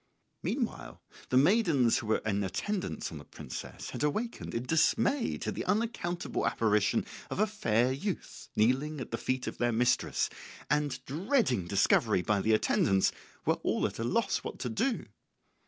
] Meanwhile the maidens who were in attendance on the princess had awakened in dismay to the unaccountable apparition of a fair youth kneeling at the feet of their mistress, and, dreading discovery by the attendants, were all at a loss what to do.